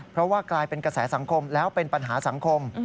เพราะว่ากลายเป็นกระแสสังคมแล้วเป็นปัญหาสังคม